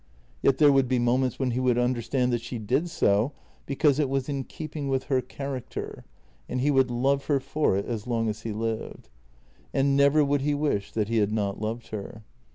Yet there would be moments when he would under stand that she did so, because it was in keeping with her character, and he would love her for it as long as he lived. And never would he wish that he had not loved her.